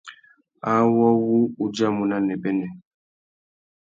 Awô wu udjanamú nà nêbênê.